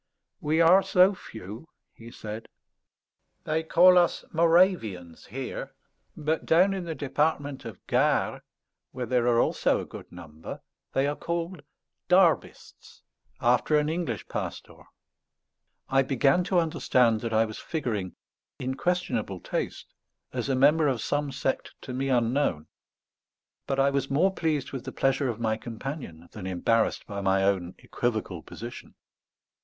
"We are so few," he said. "They call us Moravians here; but down in the Department of Gard, where there are also a good number, they are called Derbists, after an English pastor." I began to understand that I was figuring, in questionable taste, as a member of some sect to me unknown; but I was more pleased with the pleasure of my companion than embarrassed by my own equivocal position.